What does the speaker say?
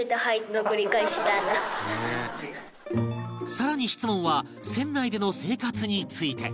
更に質問は船内での生活について